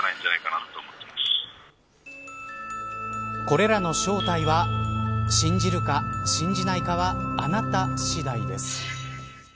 これらの正体は信じるか、信じないかはあなた次第です。